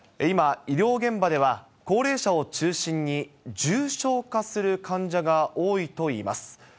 今、医療現場では高齢者を中心に、重症化する患者が多いといいます。